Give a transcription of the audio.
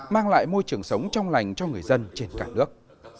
mang lại môi trường sống trong lành cho người dân trên cả nước